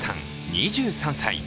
２３歳。